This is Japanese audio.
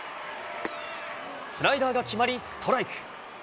スライダーが決まりストライク。